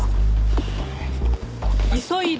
急いで。